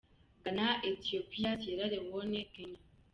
Ghana, Ethiopia, Sierra Leone, Kenya